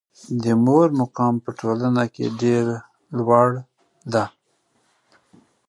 د مور مقام په ټولنه کې ډېر لوړ ده.